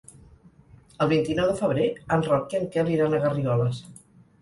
El vint-i-nou de febrer en Roc i en Quel iran a Garrigoles.